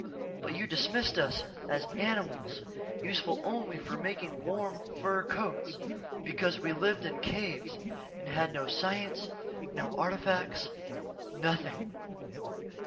But you dismissed us as animals, useful only for making warm fur coats, because we lived in caves and had no science, no artifacts nothing.